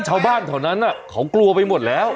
ชาวบ้านเท่านั้นอ่ะเขากลัวไปหมดแล้ว